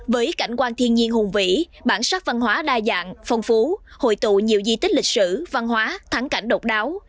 với cảnh quan thiên nhiên hùng vĩ bản sắc văn hóa đa dạng phong phú hội tụ nhiều di tích lịch sử văn hóa thắng cảnh độc đáo